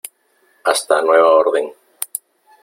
hasta nueva orden .